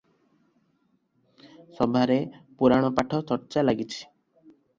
ସଭାରେ ପୁରାଣପାଠ ଚର୍ଚ୍ଚା ଲାଗିଛି ।